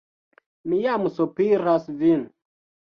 Mi jam sopiras vin!